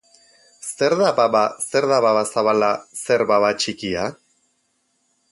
Zer da baba, zer da baba zabala, zer baba txikia?